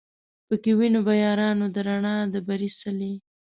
پکښی وینو به یارانو د رڼا د بري څلی